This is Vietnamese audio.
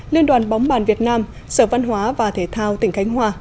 liên đoàn bóng bàn việt nam sở văn hóa và thể thao tỉnh khánh hòa